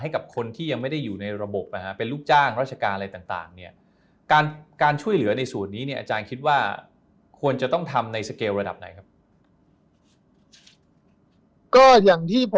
ให้กับคนที่ยังไม่ได้อยู่ในระบบนะครับเป็นลูกจ้างราชการอะไรต่าง